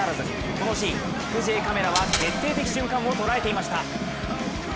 このシーン、キクＪカメラは決定的瞬間を捉えていました。